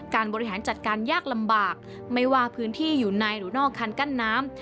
บริหารจัดการยากลำบากไม่ว่าพื้นที่อยู่ในหรือนอกคันกั้นน้ำ